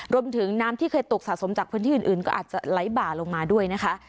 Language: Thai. รวมถึงน้ำที่เคยตกสะสมจากพื้นที่อื่นก็อาจจะไหลบ่าลงมาด้วยนะคะ